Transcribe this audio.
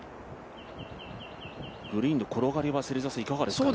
グリーンの転がりはいかがですかね？